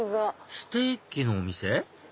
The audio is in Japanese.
ステーキのお店？